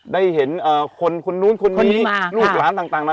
ได้เห็นคนคนนู้นคนนี้ลูกหลานต่างมา